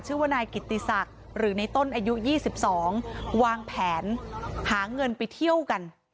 ชื่อว่านายกิติศักดิ์หรือในต้นอายุ๒๒วางแผนหาเงินไปเที่ยวกัน